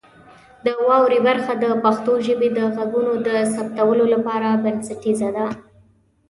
د واورئ برخه د پښتو ژبې د غږونو د ثبتولو لپاره بنسټیزه ده.